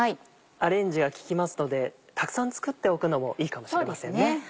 アレンジが利きますのでたくさん作っておくのもいいかもしれませんね。